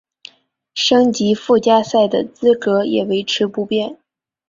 升级附加赛的资格也维持不变。